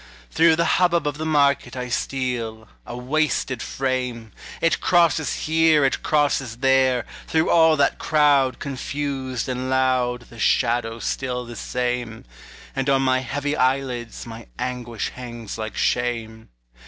Through the hubbub of the market I steal, a wasted frame; It crosses here, it crosses there, Through all that crowd confused and loud The shadow still the same; And on my heavy eyelids My anguish hangs like shame.